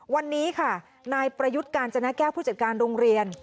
วันนี้ค่ะนายประยุทธ์กาญจนแก้วผู้จัดการโรงเรียน